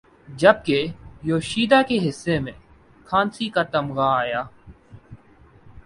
جبکہ یوشیدا کے حصے میں کانسی کا تمغہ آیا